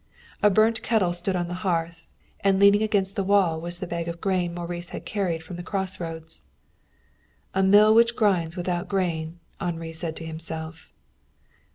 A burnt kettle stood on the hearth, and leaning against the wall was the bag of grain Maurice had carried from the crossroads. "A mill which grinds without grain," Henri said to himself.